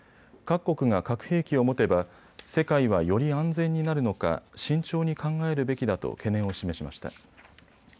各国が核兵器を持てば世界はより安全になるのか慎重に考えるべきだと懸念を示しました。